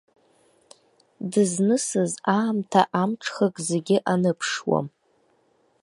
Дызнысыз аамҭа амҽхак зегьы аныԥшуам.